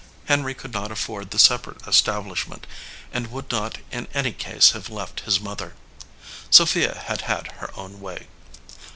Henry could not afford the separate establishment and would not in any case have left his mother. Sophia had had her own way.